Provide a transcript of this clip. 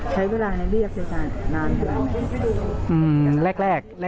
ใช้เวลาในเรียกจะนานเวลาไหม